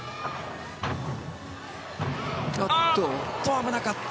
危なかった。